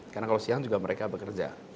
karena kalau siang juga mereka bekerja